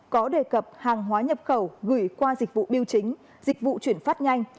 có đề cập hàng hóa nhập khẩu gửi qua dịch vụ biêu chính dịch vụ chuyển phát nhanh